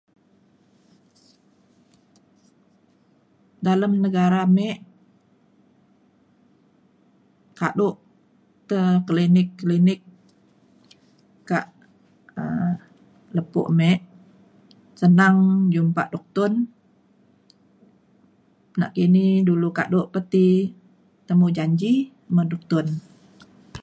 Dalem negara mik kaduk te klinik klinik ka' lepo mik senang jumpa duktun. Nakini dulu kaduk pe ti temu janji me duktun.